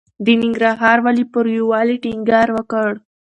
د ننګرهار والي پر يووالي ټينګار وکړ.